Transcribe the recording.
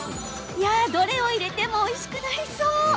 どれを入れてもおいしくなりそう！